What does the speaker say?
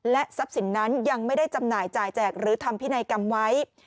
ทรัพย์สินนั้นยังไม่ได้จำหน่ายจ่ายแจกหรือทำพินัยกรรมไว้